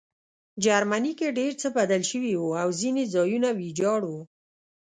جرمني کې ډېر څه بدل شوي وو او ځینې ځایونه ویجاړ وو